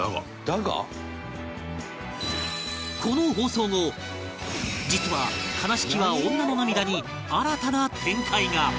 この放送後実は『哀しきは女の涙』に新たな展開が